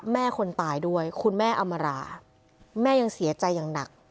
แม่คนตายด้วยคุณแม่อำราคุณแม่อำราแม่ยังเสียใจยังหนัก